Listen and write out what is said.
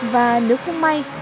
và nếu không may